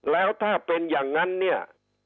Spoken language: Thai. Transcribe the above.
แล้วถ้าเป็นอย่างนั้นเนี่ย